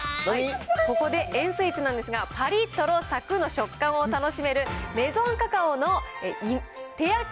ここで円スイーツなんですが、ぱりっ、とろっ、さくっの食感を楽しめる、メゾンカカオの手焼き